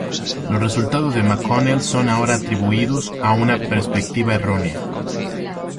Los resultados de McConnell son ahora atribuidos a una perspectiva errónea.